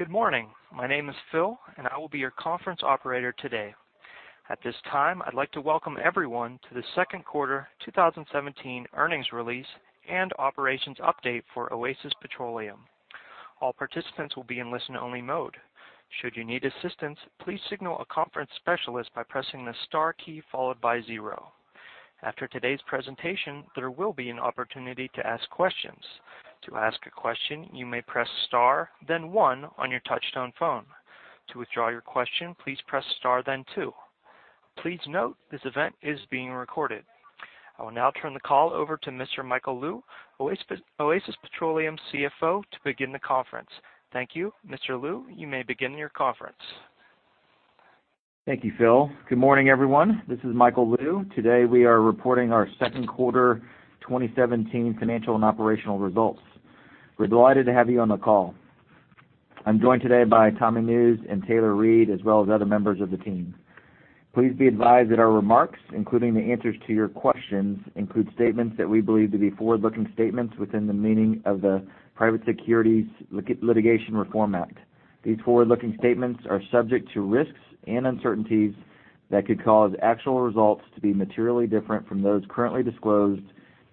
Good morning. My name is Phil. I will be your conference operator today. At this time, I'd like to welcome everyone to the second quarter 2017 earnings release and operations update for Oasis Petroleum. All participants will be in listen-only mode. Should you need assistance, please signal a conference specialist by pressing the star key followed by zero. After today's presentation, there will be an opportunity to ask questions. To ask a question, you may press star then one on your touch-tone phone. To withdraw your question, please press star then two. Please note this event is being recorded. I will now turn the call over to Mr. Michael Lou, Oasis Petroleum CFO, to begin the conference. Thank you, Mr. Lou. You may begin your conference. Thank you, Phil. Good morning, everyone. This is Michael Lou. Today, we are reporting our second quarter 2017 financial and operational results. We're delighted to have you on the call. I'm joined today by Tommy Nusz and Taylor Reid, as well as other members of the team. Please be advised that our remarks, including the answers to your questions, include statements that we believe to be forward-looking statements within the meaning of the Private Securities Litigation Reform Act. These forward-looking statements are subject to risks and uncertainties that could cause actual results to be materially different from those currently disclosed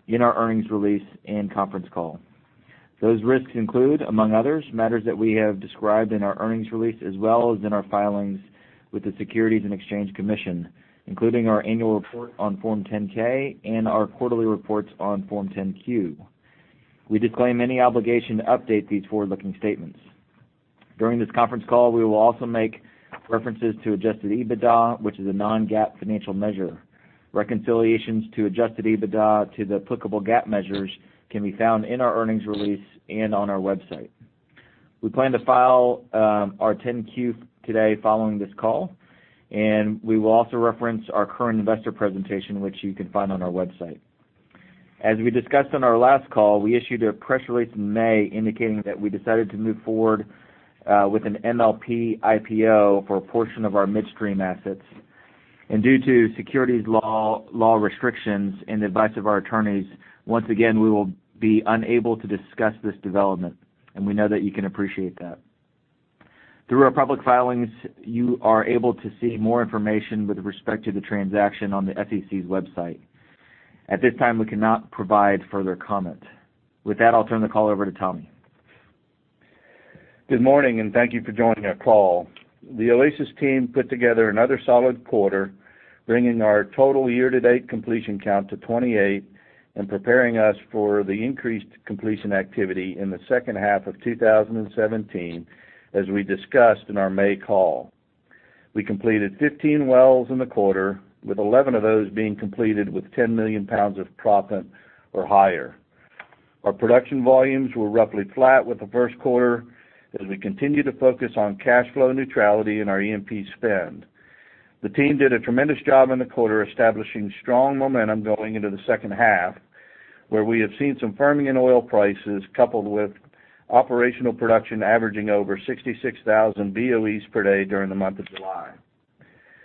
in our earnings release and conference call. Those risks include, among others, matters that we have described in our earnings release as well as in our filings with the Securities and Exchange Commission, including our annual report on Form 10-K and our quarterly reports on Form 10-Q. We disclaim any obligation to update these forward-looking statements. During this conference call, we will also make references to adjusted EBITDA, which is a non-GAAP financial measure. Reconciliations to adjusted EBITDA to the applicable GAAP measures can be found in our earnings release and on our website. We plan to file our 10-Q today following this call. We will also reference our current investor presentation, which you can find on our website. As we discussed on our last call, we issued a press release in May indicating that we decided to move forward with an MLP IPO for a portion of our midstream assets. Due to securities law restrictions and the advice of our attorneys, once again, we will be unable to discuss this development, and we know that you can appreciate that. Through our public filings, you are able to see more information with respect to the transaction on the SEC's website. At this time, we cannot provide further comment. With that, I'll turn the call over to Tommy. Good morning. Thank you for joining our call. The Oasis team put together another solid quarter, bringing our total year-to-date completion count to 28 and preparing us for the increased completion activity in the second half of 2017, as we discussed in our May call. We completed 15 wells in the quarter, with 11 of those being completed with 10 million pounds of proppant or higher. Our production volumes were roughly flat with the first quarter as we continue to focus on cash flow neutrality in our E&P spend. The team did a tremendous job in the quarter establishing strong momentum going into the second half, where we have seen some firming in oil prices coupled with operational production averaging over 66,000 BOEs per day during the month of July.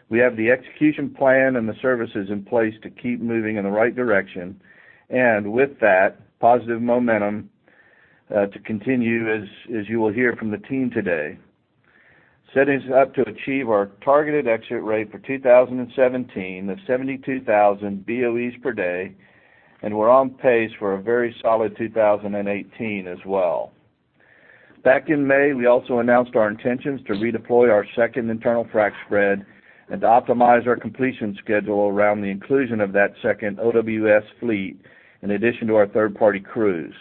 We have the execution plan and the services in place to keep moving in the right direction. With that, positive momentum to continue as you will hear from the team today. Setting us up to achieve our targeted exit rate for 2017 of 72,000 BOEs per day. We're on pace for a very solid 2018 as well. Back in May, we also announced our intentions to redeploy our second internal frac spread and to optimize our completion schedule around the inclusion of that second OWS fleet in addition to our third-party crews.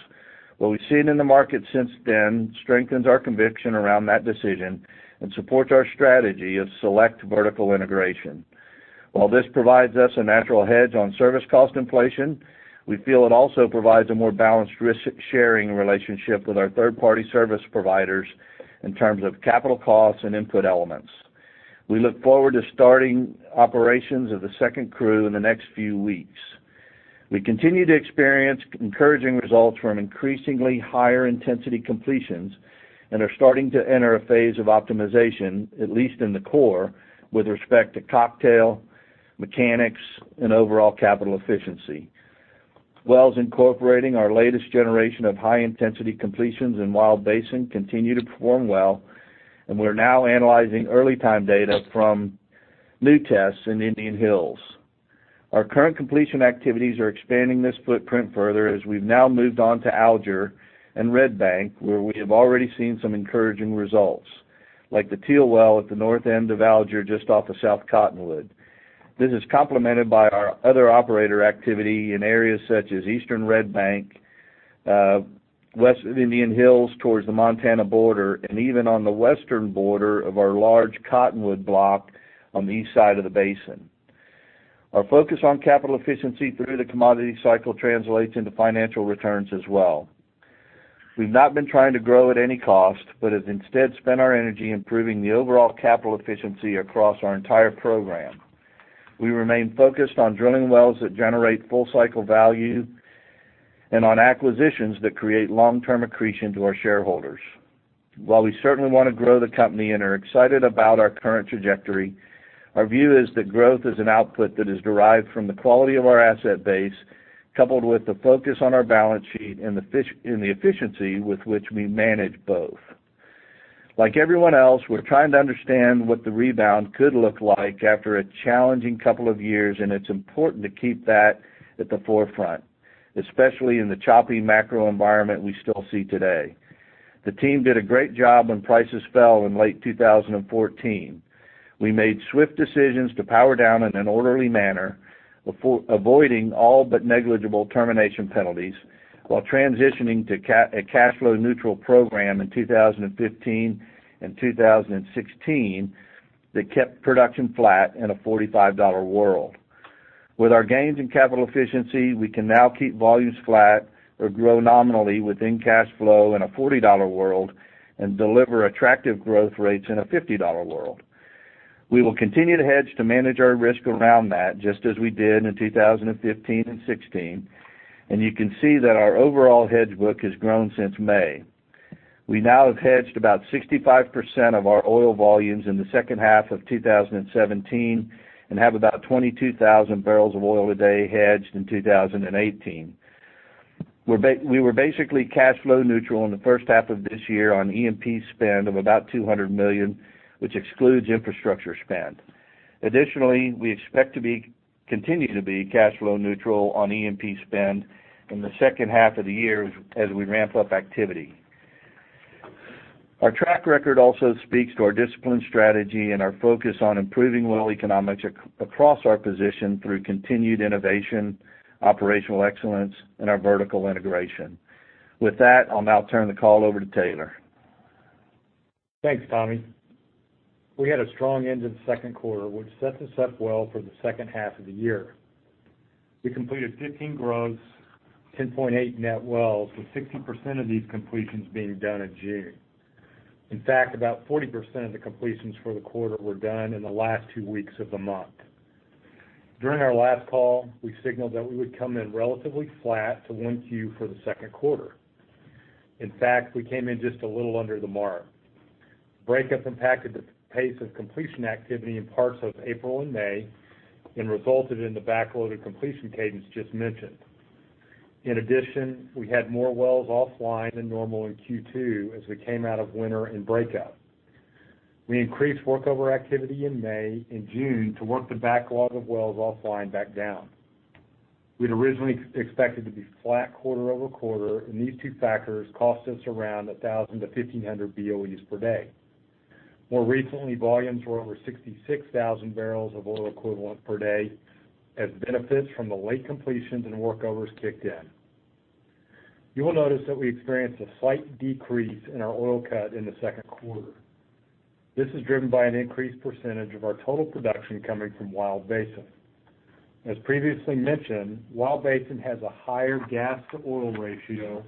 What we've seen in the market since then strengthens our conviction around that decision and supports our strategy of select vertical integration. While this provides us a natural hedge on service cost inflation, we feel it also provides a more balanced risk-sharing relationship with our third-party service providers in terms of capital costs and input elements. We look forward to starting operations of the second crew in the next few weeks. We continue to experience encouraging results from increasingly higher-intensity completions and are starting to enter a phase of optimization, at least in the core, with respect to cocktail, mechanics, and overall capital efficiency. Wells incorporating our latest generation of high-intensity completions in Wild Basin continue to perform well. We're now analyzing early time data from new tests in Indian Hills. Our current completion activities are expanding this footprint further as we've now moved on to Alger and Red Bank, where we have already seen some encouraging results, like the Teal Well at the north end of Alger, just off of South Cottonwood. This is complemented by our other operator activity in areas such as eastern Red Bank, west of Indian Hills towards the Montana border, and even on the western border of our large Cottonwood block on the east side of the basin. Our focus on capital efficiency through the commodity cycle translates into financial returns as well. We've not been trying to grow at any cost but have instead spent our energy improving the overall capital efficiency across our entire program. We remain focused on drilling wells that generate full cycle value and on acquisitions that create long-term accretion to our shareholders. While we certainly want to grow the company and are excited about our current trajectory. Our view is that growth is an output that is derived from the quality of our asset base, coupled with the focus on our balance sheet and the efficiency with which we manage both. Like everyone else, we're trying to understand what the rebound could look like after a challenging couple of years, and it's important to keep that at the forefront, especially in the choppy macro environment we still see today. The team did a great job when prices fell in late 2014. We made swift decisions to power down in an orderly manner, avoiding all but negligible termination penalties while transitioning to a cash flow neutral program in 2015 and 2016, that kept production flat in a $45 world. With our gains in capital efficiency, we can now keep volumes flat or grow nominally within cash flow in a $40 world and deliver attractive growth rates in a $50 world. We will continue to hedge to manage our risk around that, just as we did in 2015 and 2016. You can see that our overall hedge book has grown since May. We now have hedged about 65% of our oil volumes in the second half of 2017 and have about 22,000 barrels of oil a day hedged in 2018. We were basically cash flow neutral in the first half of this year on E&P spend of about $200 million, which excludes infrastructure spend. Additionally, we expect to continue to be cash flow neutral on E&P spend in the second half of the year as we ramp up activity. Our track record also speaks to our disciplined strategy and our focus on improving well economics across our position through continued innovation, operational excellence, and our vertical integration. With that, I'll now turn the call over to Taylor. Thanks, Tommy. We had a strong end to the second quarter, which sets us up well for the second half of the year. We completed 15 gross, 10.8 net wells, with 60% of these completions being done in June. In fact, about 40% of the completions for the quarter were done in the last two weeks of the month. During our last call, we signaled that we would come in relatively flat to 1Q for the second quarter. In fact, we came in just a little under the mark. Breakups impacted the pace of completion activity in parts of April and May and resulted in the backloaded completion cadence just mentioned. In addition, we had more wells offline than normal in Q2 as we came out of winter and breakout. We increased workover activity in May and June to work the backlog of wells offline back down. We'd originally expected to be flat quarter-over-quarter, these two factors cost us around 1,000 to 1,500 BOEs per day. More recently, volumes were over 66,000 barrels of oil equivalent per day as benefits from the late completions and workovers kicked in. You will notice that we experienced a slight decrease in our oil cut in the second quarter. This is driven by an increased percentage of our total production coming from Wild Basin. As previously mentioned, Wild Basin has a higher gas-to-oil ratio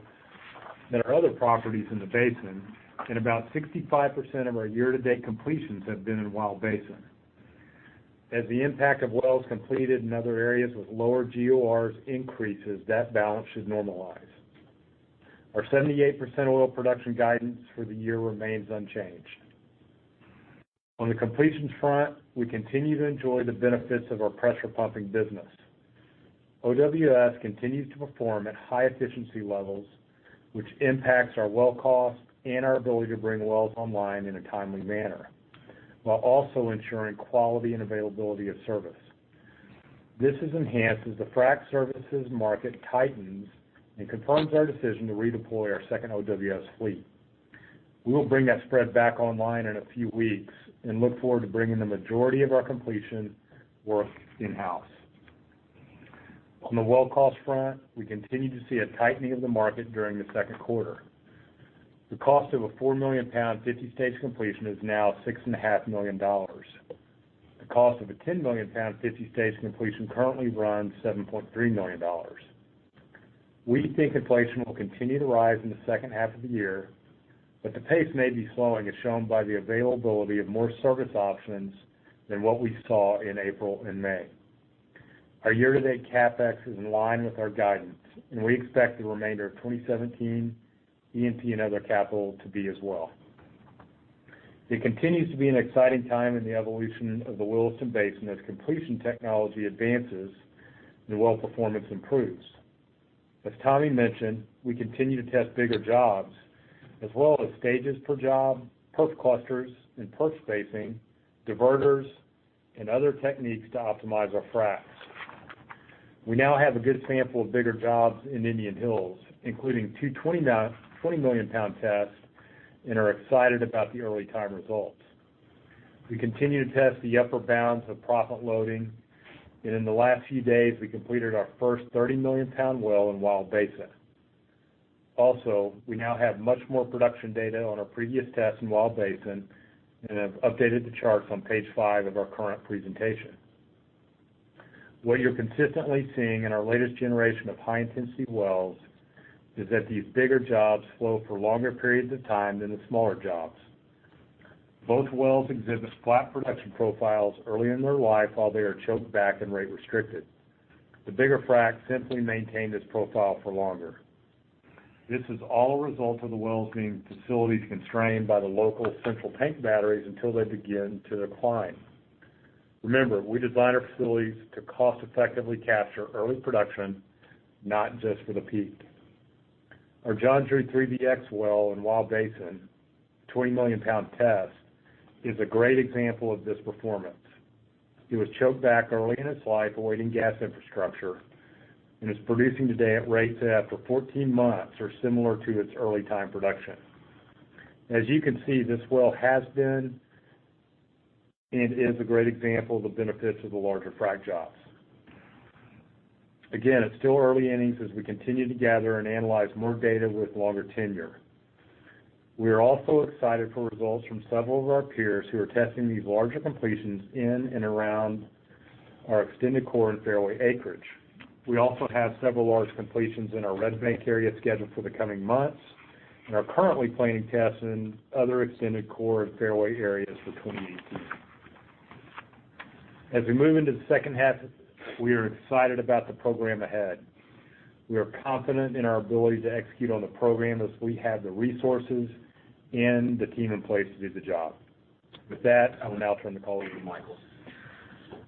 than our other properties in the basin, about 65% of our year-to-date completions have been in Wild Basin. As the impact of wells completed in other areas with lower GORs increases, that balance should normalize. Our 78% oil production guidance for the year remains unchanged. On the completions front, we continue to enjoy the benefits of our pressure pumping business. OWS continues to perform at high efficiency levels, which impacts our well cost and our ability to bring wells online in a timely manner while also ensuring quality and availability of service. This is enhanced as the frac services market tightens and confirms our decision to redeploy our second OWS fleet. We will bring that spread back online in a few weeks and look forward to bringing the majority of our completion work in-house. On the well cost front, we continued to see a tightening of the market during the second quarter. The cost of a 4 million pound, 50-stage completion is now $6.5 million. The cost of a 10-million-pound, 50-stage completion currently runs $7.3 million. We think inflation will continue to rise in the second half of the year, the pace may be slowing, as shown by the availability of more service options than what we saw in April and May. Our year-to-date CapEx is in line with our guidance, and we expect the remainder of 2017 E&P and other capital to be as well. It continues to be an exciting time in the evolution of the Williston Basin as completion technology advances and the well performance improves. As Tommy mentioned, we continue to test bigger jobs, as well as stages per job, perf clusters and perf spacing, diverters, and other techniques to optimize our fracs. We now have a good sample of bigger jobs in Indian Hills, including two 20-million-pound tests, and are excited about the early time results. We continue to test the upper bounds of proppant loading, in the last few days, we completed our first 30-million-pound well in Wild Basin. Also, we now have much more production data on our previous test in Wild Basin and have updated the charts on page five of our current presentation. What you're consistently seeing in our latest generation of high-intensity wells is that these bigger jobs flow for longer periods of time than the smaller jobs. Both wells exhibit flat production profiles early in their life while they are choked back and rate restricted. The bigger frac simply maintained this profile for longer. This is all a result of the wells being facilities constrained by the local central tank batteries until they begin to decline. Remember, we design our facilities to cost effectively capture early production, not just for the peak. Our John 3 3BX well in Wild Basin, 20-million-pound test, is a great example of this performance. It was choked back early in its life, awaiting gas infrastructure, and is producing today at rates after 14 months are similar to its early time production. As you can see, this well has been and is a great example of the benefits of the larger frac jobs. It's still early innings as we continue to gather and analyze more data with longer tenure. We are also excited for results from several of our peers who are testing these larger completions in and around our extended core and fairway acreage. We also have several large completions in our Red Bank area scheduled for the coming months and are currently planning tests in other extended core and fairway areas for 2018. We move into the second half, we are excited about the program ahead. We are confident in our ability to execute on the program as we have the resources and the team in place to do the job. With that, I will now turn the call over to Michael.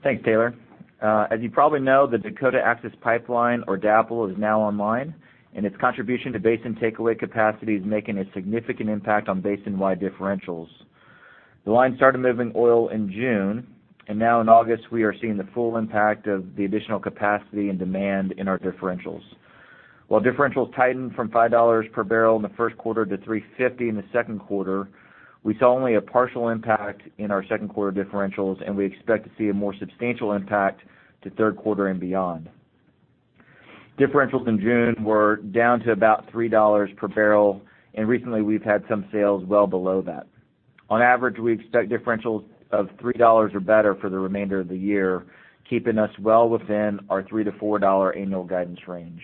Thanks, Taylor. As you probably know, the Dakota Access Pipeline, or DAPL, is now online, its contribution to basin takeaway capacity is making a significant impact on basin-wide differentials. The line started moving oil in June, now in August, we are seeing the full impact of the additional capacity and demand in our differentials. While differentials tightened from $5 per barrel in the first quarter to $3.50 in the second quarter, we saw only a partial impact in our second quarter differentials, we expect to see a more substantial impact to third quarter and beyond. Differentials in June were down to about $3 per barrel, recently we've had some sales well below that. On average, we expect differentials of $3 or better for the remainder of the year, keeping us well within our $3-$4 annual guidance range.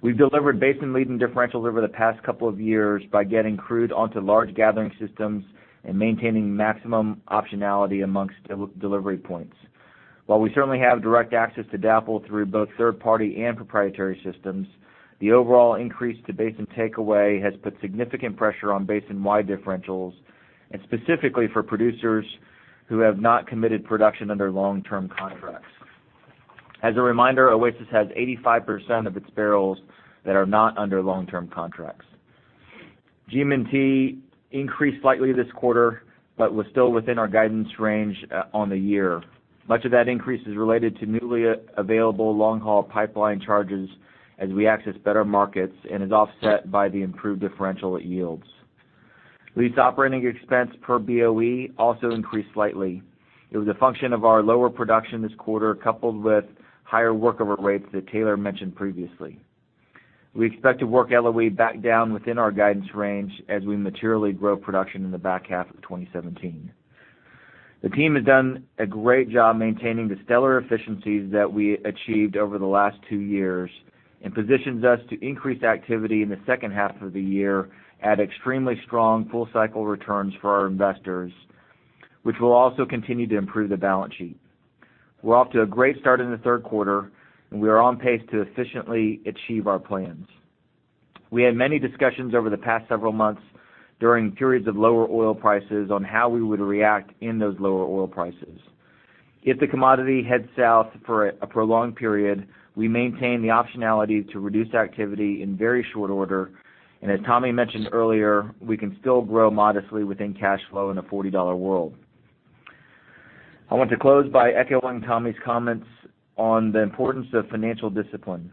We've delivered basin-leading differentials over the past couple of years by getting crude onto large gathering systems and maintaining maximum optionality amongst delivery points. While we certainly have direct access to DAPL through both third-party and proprietary systems, the overall increase to basin takeaway has put significant pressure on basin-wide differentials, specifically for producers who have not committed production under long-term contracts. As a reminder, Oasis has 85% of its barrels that are not under long-term contracts. GM&T increased slightly this quarter, was still within our guidance range on the year. Much of that increase is related to newly available long-haul pipeline charges as we access better markets and is offset by the improved differential it yields. Lease operating expense per BOE also increased slightly. It was a function of our lower production this quarter, coupled with higher workover rates that Taylor mentioned previously. We expect to work LOE back down within our guidance range as we materially grow production in the back half of 2017. The team has done a great job maintaining the stellar efficiencies that we achieved over the last two years and positions us to increase activity in the second half of the year at extremely strong full-cycle returns for our investors, which will also continue to improve the balance sheet. We're off to a great start in the third quarter. We are on pace to efficiently achieve our plans. We had many discussions over the past several months during periods of lower oil prices on how we would react in those lower oil prices. If the commodity heads south for a prolonged period, we maintain the optionality to reduce activity in very short order. As Tommy mentioned earlier, we can still grow modestly within cash flow in a $40 world. I want to close by echoing Tommy's comments on the importance of financial discipline.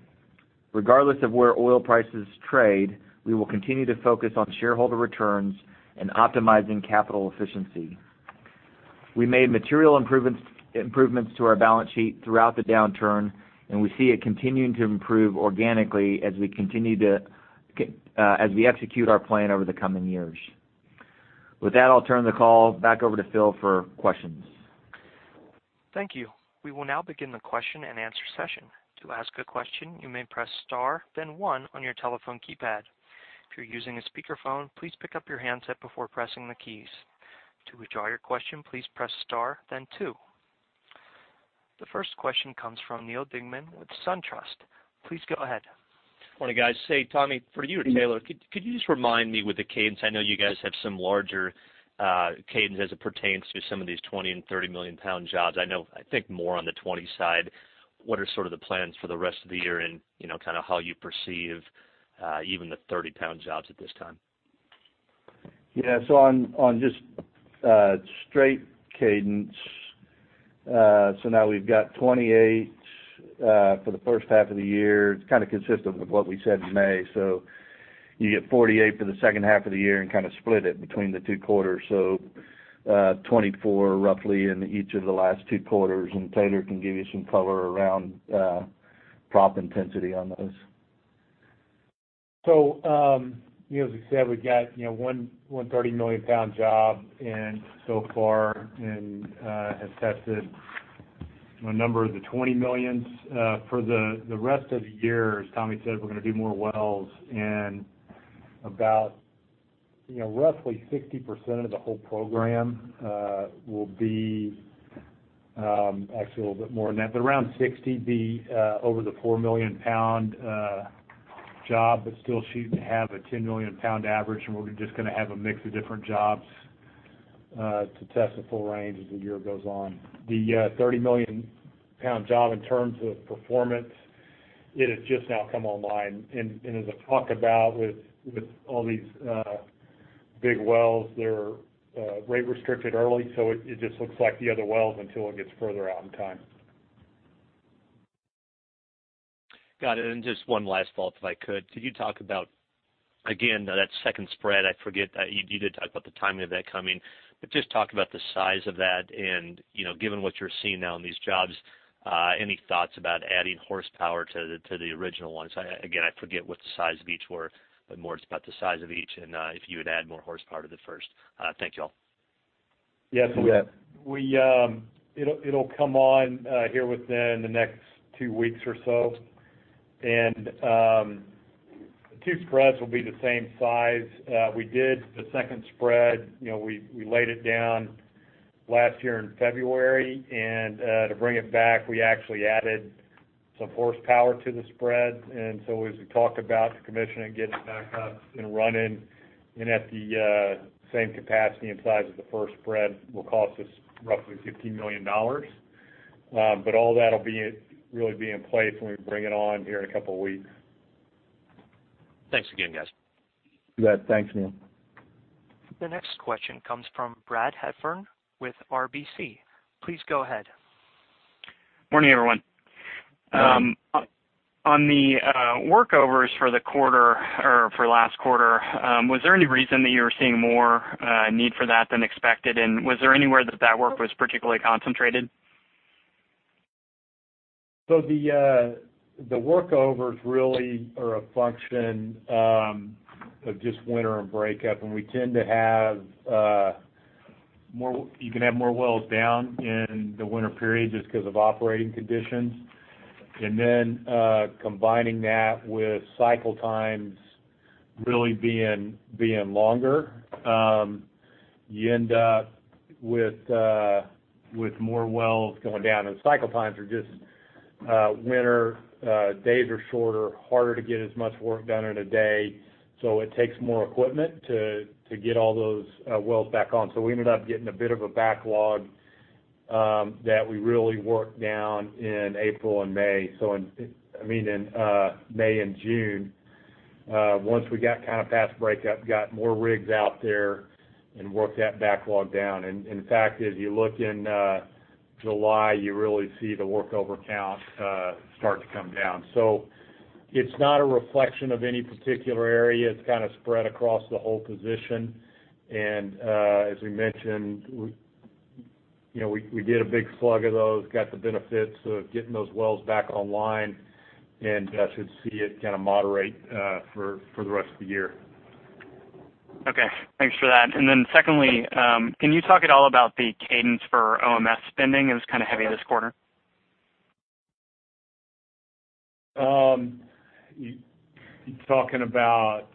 Regardless of where oil prices trade, we will continue to focus on shareholder returns and optimizing capital efficiency. We made material improvements to our balance sheet throughout the downturn. We see it continuing to improve organically as we execute our plan over the coming years. With that, I'll turn the call back over to Phil for questions. Thank you. We will now begin the question and answer session. To ask a question, you may press star then one on your telephone keypad. If you're using a speakerphone, please pick up your handset before pressing the keys. To withdraw your question, please press star then two. The first question comes from Neal Dingmann with SunTrust. Please go ahead. Morning, guys. Say, Tommy, for you or Taylor, could you just remind me with the cadence, I know you guys have some larger cadence as it pertains to some of these 20 and 30-million-pound jobs. I think more on the 20 side. What are sort of the plans for the rest of the year and kind of how you perceive even the 30-pound jobs at this time? Yeah. On just straight cadence, now we've got 28 for the first half of the year. It's kind of consistent with what we said in May. You get 48 for the second half of the year and kind of split it between the two quarters. 24 roughly in each of the last two quarters, and Taylor can give you some color around prop intensity on those. As we said, we've got one 30-million-pound job and so far and have tested a number of the 20 millions. For the rest of the year, as Tommy said, we're going to do more wells and about Roughly 60% of the whole program will be actually a little bit more than that, but around 60% be over the four-million-pound job, but still shooting to have a 10-million-pound average. We're just going to have a mix of different jobs to test the full range as the year goes on. The 30-million-pound job in terms of performance, it has just now come online. As I talk about with all these big wells, they're rate restricted early, so it just looks like the other wells until it gets further out in time. Got it. Just one last follow-up, if I could. Could you talk about, again, that second spread? You did talk about the timing of that coming, but just talk about the size of that, and given what you're seeing now on these jobs, any thoughts about adding horsepower to the original ones? Again, I forget what the size of each were, but more it's about the size of each and if you would add more horsepower to the first. Thank you all. Yes. You bet. It'll come on here within the next two weeks or so. The two spreads will be the same size. We did the second spread, we laid it down last year in February. To bring it back, we actually added some horsepower to the spread. So as we talked about the commissioning, getting it back up and running, and at the same capacity and size as the first spread, will cost us roughly $15 million. All that'll really be in place when we bring it on here in a couple of weeks. Thanks again, guys. You bet. Thanks, Neal. The next question comes from Brad Heffern with RBC. Please go ahead. Morning, everyone. Morning. On the workovers for last quarter, was there any reason that you were seeing more need for that than expected? Was there anywhere that work was particularly concentrated? The workovers really are a function of just winter and breakup. You can have more wells down in the winter period just because of operating conditions. Combining that with cycle times really being longer, you end up with more wells going down. Cycle times are just winter, days are shorter, harder to get as much work done in a day. It takes more equipment to get all those wells back on. We ended up getting a bit of a backlog that we really worked down in May and June. Once we got past breakup, got more rigs out there, and worked that backlog down. The fact is, you look in July, you really see the workover count start to come down. It's not a reflection of any particular area. It's kind of spread across the whole position. As we mentioned, we did a big slug of those, got the benefits of getting those wells back online, and should see it kind of moderate for the rest of the year. Okay. Thanks for that. Then secondly, can you talk at all about the cadence for OMS spending? It was kind of heavy this quarter. You talking about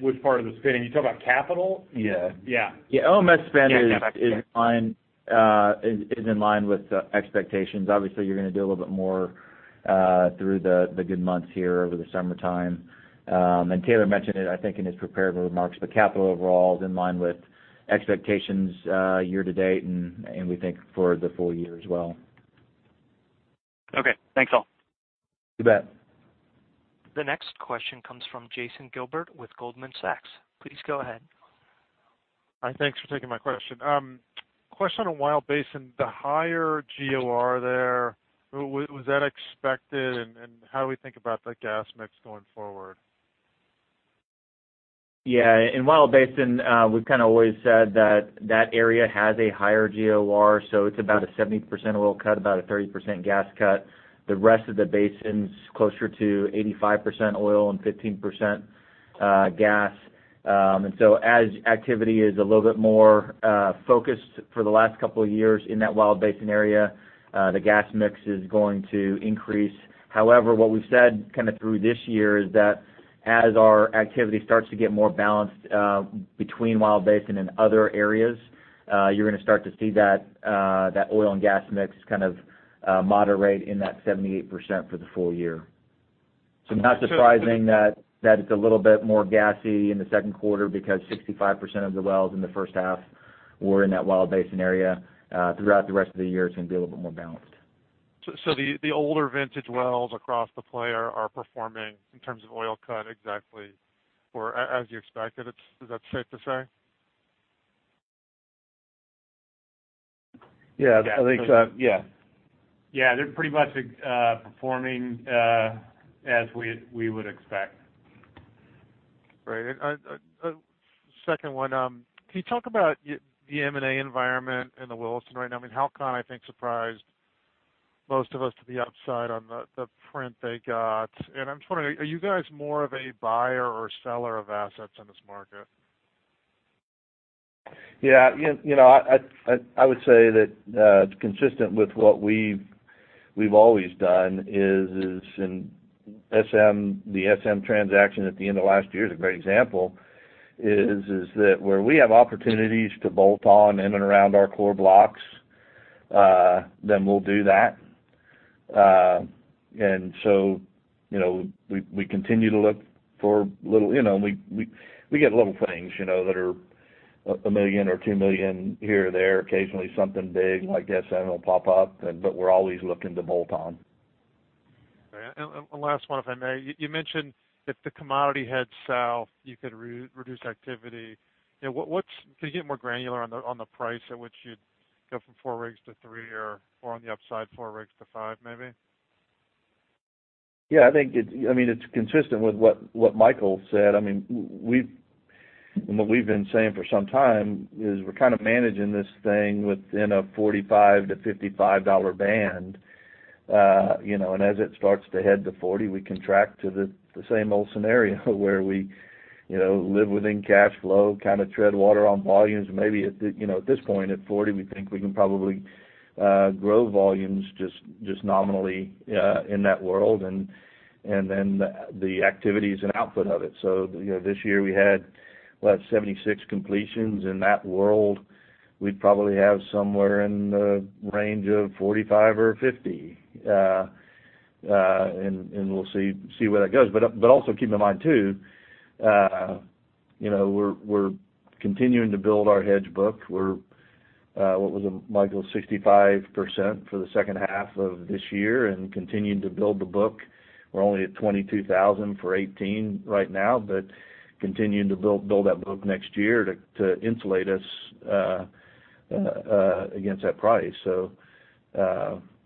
which part of the spending? You talking about capital? Yeah. Yeah. Yeah, capital. OMS spend is in line with expectations. Obviously, you're going to do a little bit more through the good months here over the summertime. Taylor mentioned it, I think, in his prepared remarks, but capital overall is in line with expectations year to date, and we think for the full year as well. Okay. Thanks, all. You bet. The next question comes from Jason Gabelman with Goldman Sachs. Please go ahead. Hi. Thanks for taking my question. Question on Wild Basin, the higher GOR there, was that expected? How do we think about that gas mix going forward? Yeah. In Wild Basin, we've kind of always said that that area has a higher GOR, so it's about a 70% oil cut, about a 30% gas cut. The rest of the basin's closer to 85% oil and 15% gas. As activity is a little bit more focused for the last couple of years in that Wild Basin area, the gas mix is going to increase. However, what we've said kind of through this year is that as our activity starts to get more balanced between Wild Basin and other areas, you're going to start to see that oil and gas mix kind of moderate in that 78% for the full year. Not surprising that it's a little bit more gassy in the second quarter because 65% of the wells in the first half were in that Wild Basin area. Throughout the rest of the year, it's going to be a little bit more balanced. The older vintage wells across the play are performing in terms of oil cut exactly or as you expected. Is that safe to say? Yeah. Yeah. They're pretty much performing as we would expect. Great. A second one. Can you talk about the M&A environment in the Williston right now? Halcon, I think, surprised most of us to the upside on the print they got. I'm just wondering, are you guys more of a buyer or seller of assets in this market? Yeah. I would say that it's consistent with what we've always done, the SM transaction at the end of last year is a great example, is that where we have opportunities to bolt on in and around our core blocks, we'll do that. We continue to look for little things that are $1 million or $2 million here or there. Occasionally, something big like that, SM, will pop up, we're always looking to bolt on. Okay. Last one, if I may. You mentioned if the commodity heads south, you could reduce activity. Could you get more granular on the price at which you'd go from 4 rigs to 3 or, on the upside, 4 rigs to 5, maybe? Yeah. It's consistent with what Michael said, what we've been saying for some time, is we're kind of managing this thing within a $45 to $55 band. As it starts to head to $40, we contract to the same old scenario where we live within cash flow, kind of tread water on volumes. Maybe at this point, at $40, we think we can probably grow volumes just nominally in that world, the activity is an output of it. This year, we had 76 completions. In that world, we'd probably have somewhere in the range of 45 or 50. We'll see where that goes. Also keep in mind too, we're continuing to build our hedge book. What was it, Michael? 65% for the second half of this year, continuing to build the book. We're only at 22,000 for 2018 right now, continuing to build that book next year to insulate us against that price.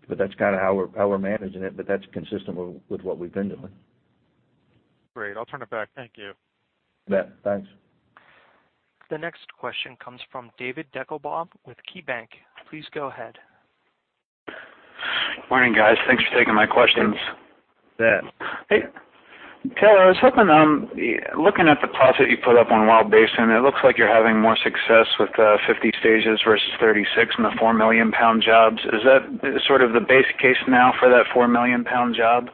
That's kind of how we're managing it, that's consistent with what we've been doing. Great. I'll turn it back. Thank you. You bet. Thanks. The next question comes from David Deckelbaum with KeyBank. Please go ahead. Morning, guys. Thanks for taking my questions. You bet. Hey. Taylor, I was hoping, looking at the plots that you put up on Wild Basin, it looks like you're having more success with the 50 stages versus 36 in the 4 million-pound jobs. Is that sort of the base case now for that 4 million-pound job,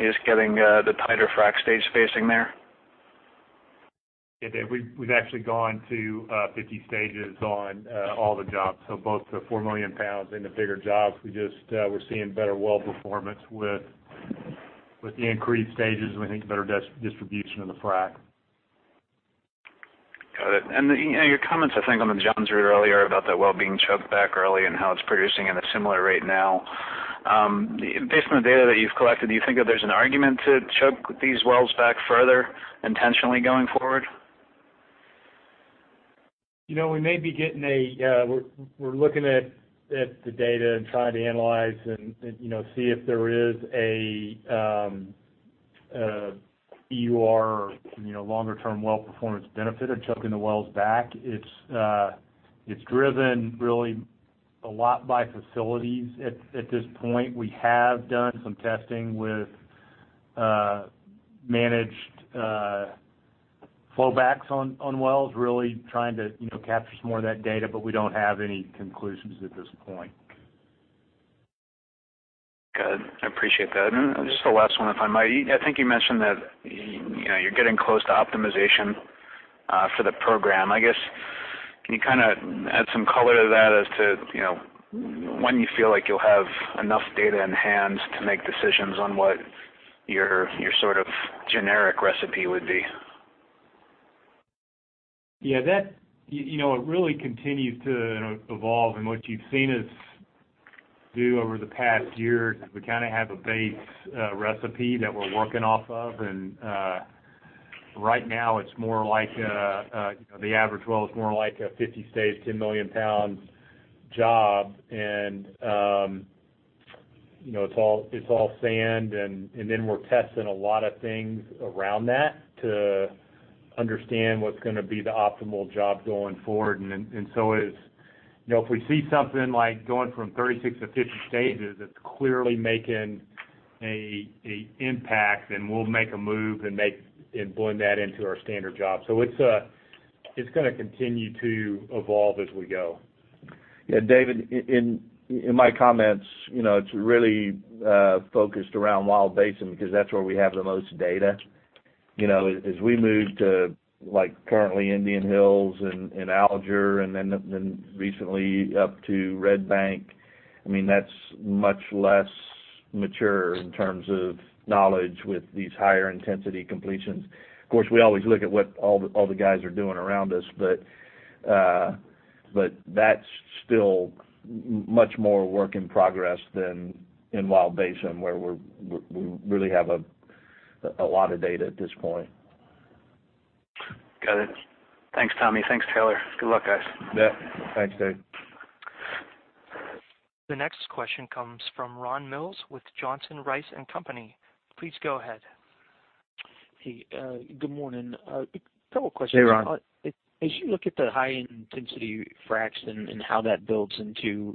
is getting the tighter frac stage spacing there? Yeah, David. We've actually gone to 50 stages on all the jobs, so both the 4 million pounds and the bigger jobs. We're seeing better well performance with the increased stages, and we think better distribution in the frac. Got it. Your comments, I think, on the John 3 3BX earlier about that well being choked back early and how it's producing at a similar rate now. Based on the data that you've collected, do you think that there's an argument to choke these wells back further intentionally going forward? We're looking at the data and trying to analyze and see if there is a EUR or longer-term well performance benefit of choking the wells back. It's driven really a lot by facilities at this point. We have done some testing with managed flowbacks on wells, really trying to capture some more of that data, we don't have any conclusions at this point. Good. I appreciate that. Just the last one, if I might. I think you mentioned that you're getting close to optimization for the program. I guess, can you add some color to that as to when you feel like you'll have enough data in hand to make decisions on what your sort of generic recipe would be? Yeah. It really continues to evolve. What you've seen us do over the past year is we kind of have a base recipe that we're working off of. Right now, the average well is more like a 50-stage, 10-million-pound job. It's all sand, we're testing a lot of things around that to understand what's going to be the optimal job going forward. If we see something like going from 36 to 50 stages, it's clearly making an impact, we'll make a move and blend that into our standard job. It's going to continue to evolve as we go. Yeah. David, in my comments, it's really focused around Wild Basin because that's where we have the most data. As we move to currently Indian Hills and Alger, recently up to Red Bank, that's much less mature in terms of knowledge with these higher intensity completions. Of course, we always look at what all the guys are doing around us. That's still much more work in progress than in Wild Basin, where we really have a lot of data at this point. Got it. Thanks, Tommy. Thanks, Taylor. Good luck, guys. You bet. Thanks, David. The next question comes from Ronald Mills with Johnson Rice & Company. Please go ahead. Hey. Good morning. A couple questions. Hey, Ron. As you look at the high intensity fracs and how that builds into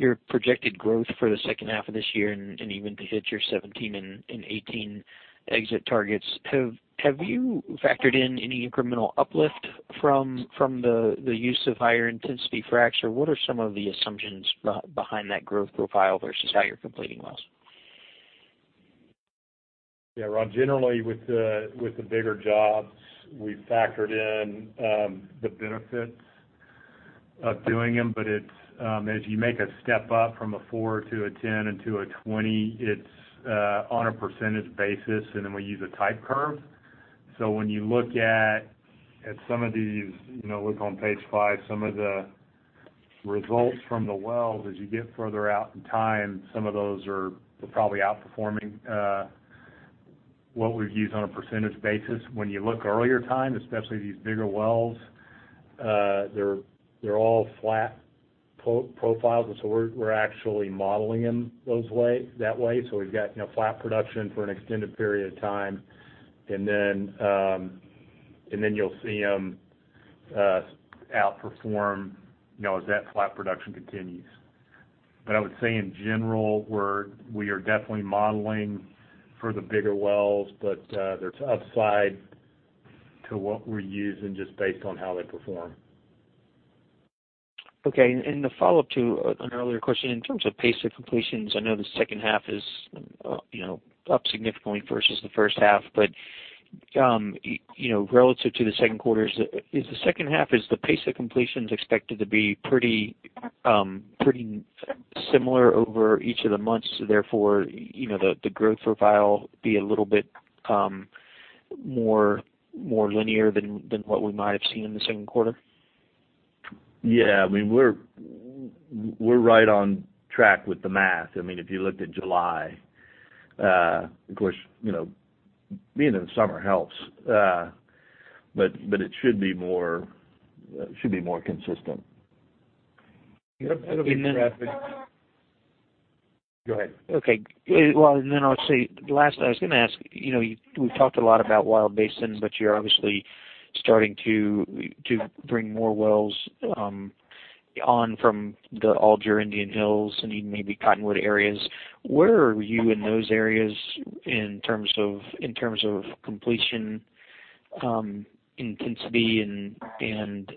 your projected growth for the second half of this year and even to hit your 2017 and 2018 exit targets, have you factored in any incremental uplift from the use of higher intensity fracture? What are some of the assumptions behind that growth profile versus how you're completing wells? Yeah, Ron, generally with the bigger jobs, we've factored in the benefits of doing them, but as you make a step up from a four to a 10 into a 20, it's on a percentage basis. Then we use a type curve. When you look at some of these, look on page five, some of the results from the wells, as you get further out in time, some of those are probably outperforming what we've used on a percentage basis. When you look earlier time, especially these bigger wells, they're all flat profiles. We're actually modeling them that way. We've got flat production for an extended period of time. Then you'll see them outperform, as that flat production continues. I would say in general, we are definitely modeling for the bigger wells, but there's upside to what we're using just based on how they perform. Okay. The follow-up to an earlier question, in terms of pace of completions, I know the second half is up significantly versus the first half, but relative to the second quarters, is the second half, is the pace of completions expected to be pretty similar over each of the months, so therefore, the growth profile be a little bit more linear than what we might have seen in the second quarter? Yeah. We're right on track with the math. If you looked at July, of course, being in the summer helps. It should be more consistent. Yep, it'll be. Go ahead. Okay. Well, I would say, last I was going to ask, we've talked a lot about Wild Basin, but you're obviously starting to bring more wells on from the Alger Indian Hills and even maybe Cottonwood areas. Where are you in those areas in terms of completion intensity and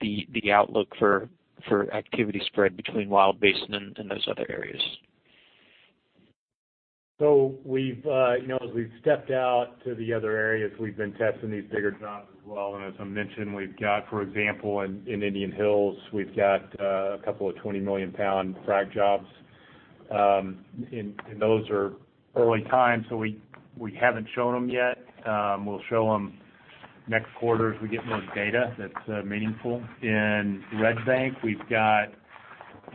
the outlook for activity spread between Wild Basin and those other areas? As we've stepped out to the other areas, we've been testing these bigger jobs as well. As I mentioned, we've got, for example, in Indian Hills, we've got a couple of 20-million-pound frac jobs. Those are early times, so we haven't shown them yet. We'll show them next quarter as we get more data that's meaningful. In Red Bank, we've got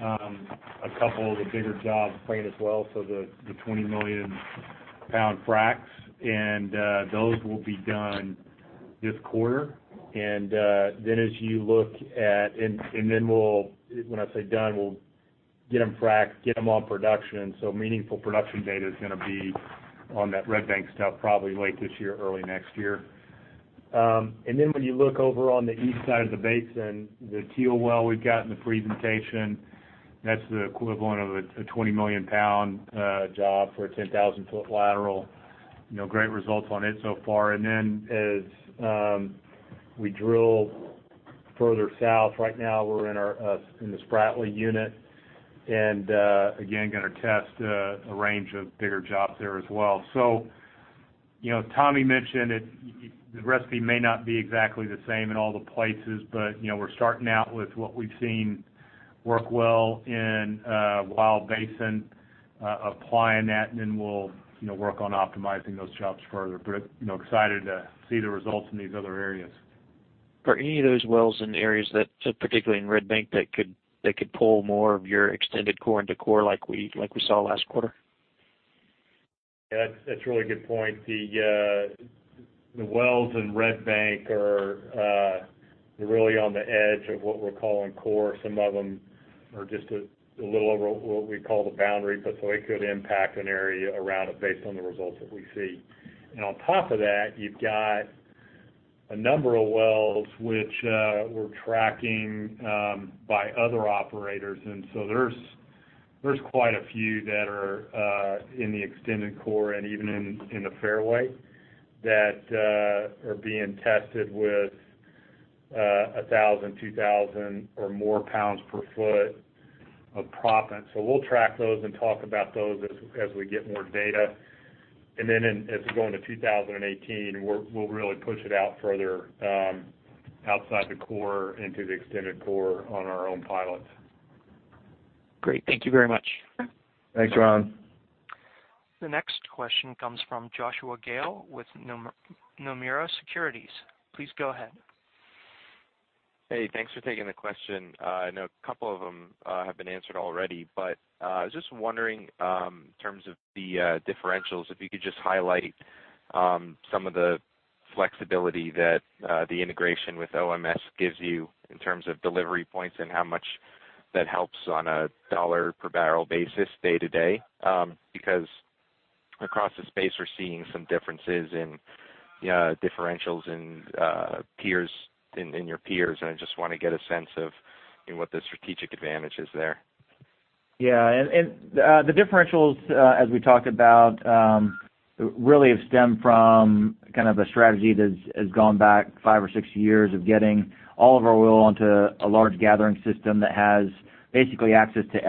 a couple of the bigger jobs planned as well, so the 20-million-pound fracs, those will be done this quarter. We'll When I say done, we'll get them fracked, get them on production. Meaningful production data is going to be on that Red Bank stuff probably late this year, early next year. When you look over on the east side of the basin, the Teal Well we've got in the presentation, that's the equivalent of a 20-million-pound job for a 10,000-foot lateral. Great results on it so far. As we drill further south, right now we're in the Spratley unit. Again, going to test a range of bigger jobs there as well. Tommy mentioned it, the recipe may not be exactly the same in all the places, but we're starting out with what we've seen work well in Wild Basin, applying that, we'll work on optimizing those jobs further. Excited to see the results in these other areas. Are any of those wells in areas that, particularly in Red Bank, that could pull more of your extended core into core like we saw last quarter? Yeah, that's a really good point. The wells in Red Bank are really on the edge of what we're calling core. Some of them are just a little over what we call the boundary. It could impact an area around it based on the results that we see. On top of that, you've got a number of wells which we're tracking by other operators. There's quite a few that are in the extended core and even in the fairway that are being tested with 1,000, 2,000 or more pounds per foot of proppant. We'll track those and talk about those as we get more data. As we go into 2018, we'll really push it out further outside the core into the extended core on our own pilots. Great. Thank you very much. Thanks, Ron. The next question comes from Joshua Gale with Nomura Securities. Please go ahead. Hey, thanks for taking the question. I know a couple of them have been answered already, but I was just wondering, in terms of the differentials, if you could just highlight some of the flexibility that the integration with OMS gives you in terms of delivery points and how much that helps on a dollar per barrel basis day-to-day? Across the space, we're seeing some differences in differentials in your peers, and I just want to get a sense of what the strategic advantage is there. Yeah. The differentials, as we talked about, really have stemmed from a strategy that has gone back five or six years of getting all of our oil onto a large gathering system that has basically access to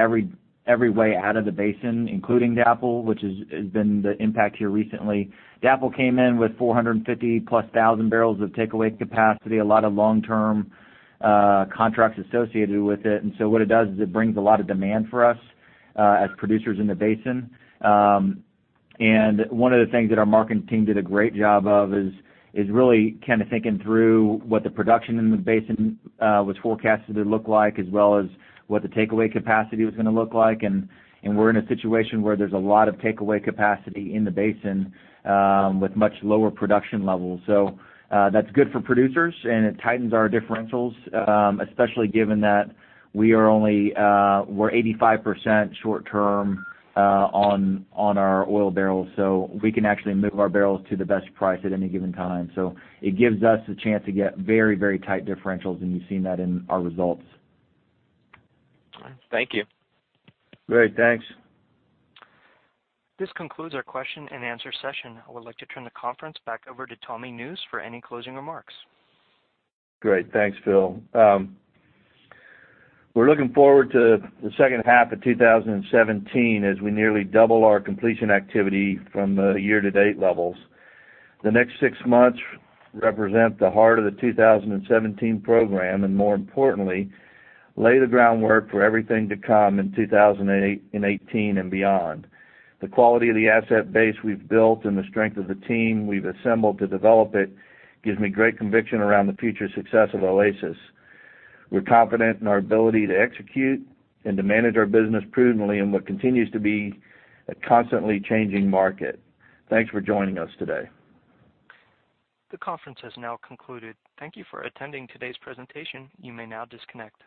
every way out of the basin, including DAPL, which has been the impact here recently. DAPL came in with 450-plus thousand barrels of takeaway capacity, a lot of long-term contracts associated with it. What it does is it brings a lot of demand for us as producers in the basin. One of the things that our marketing team did a great job of is really thinking through what the production in the basin was forecasted to look like, as well as what the takeaway capacity was going to look like. We're in a situation where there's a lot of takeaway capacity in the basin with much lower production levels. That's good for producers, and it tightens our differentials, especially given that we're 85% short-term on our oil barrels, we can actually move our barrels to the best price at any given time. It gives us the chance to get very tight differentials, and you've seen that in our results. All right. Thank you. Great. Thanks. This concludes our question and answer session. I would like to turn the conference back over to Tommy Nusz for any closing remarks. Great. Thanks, Phil. We're looking forward to the second half of 2017 as we nearly double our completion activity from the year-to-date levels. The next six months represent the heart of the 2017 program, and more importantly, lay the groundwork for everything to come in 2018 and beyond. The quality of the asset base we've built and the strength of the team we've assembled to develop it gives me great conviction around the future success of Oasis. We're confident in our ability to execute and to manage our business prudently in what continues to be a constantly changing market. Thanks for joining us today. The conference has now concluded. Thank you for attending today's presentation. You may now disconnect.